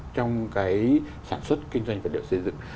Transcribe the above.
trong cái sản xuất kinh doanh vật liệu xây dựng